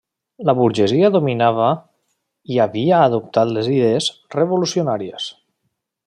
La burgesia dominava i havia adoptat les idees revolucionàries.